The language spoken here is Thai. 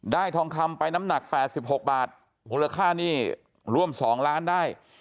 ทองคำไปน้ำหนัก๘๖บาทมูลค่านี่ร่วม๒ล้านได้